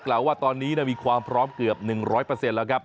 กล่าวว่าตอนนี้มีความพร้อมเกือบ๑๐๐เปอร์เซ็นต์แล้วครับ